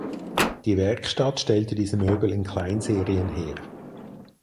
Die Werkstatt stellte diese Möbel in Kleinserien her.